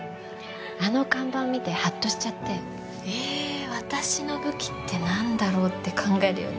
あの看板見てハッとしちゃってえ私の武器ってなんだろう？って考えるようになって。